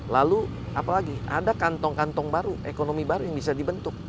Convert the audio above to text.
lalu apalagi ada kantong kantong baru ekonomi baru yang bisa dibentuk